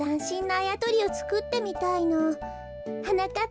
あやとりをつくってみたいの。はなかっ